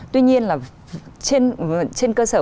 tuy nhiên là trên cơ sở